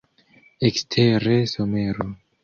Ekstere somero.